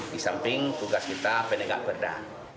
di samping tugas kita pendekat berdaan